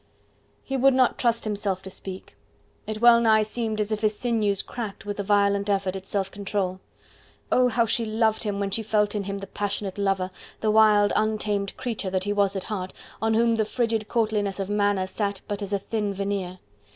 He would not trust himself to speak; it well nigh seemed as if his sinews cracked with the violent effort at self control. Oh! how she loved him, when she felt in him the passionate lover, the wild, untamed creature that he was at heart, on whom the frigid courtliness of manner sat but as a thin veneer.